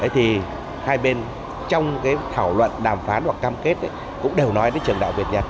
thì hai bên trong thảo luận đàm phán hoặc cam kết cũng đều nói đến trường đại học việt nhật